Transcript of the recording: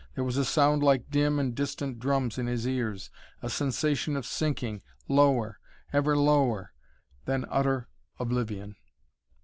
There was a sound like dim and distant drums in his ears, a sensation of sinking, lower, ever lower, then utter oblivion.